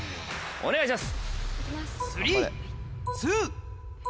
お願いします。